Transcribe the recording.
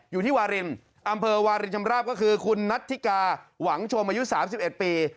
อยู่ที่วาลินอำเภอวาลินชำระบก็คือคุณณัฐิกาหวังโชมยุทธิ์๓๑ปี